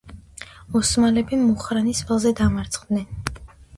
ოსმალები მუხრანის ველზე დამარცხდნენ.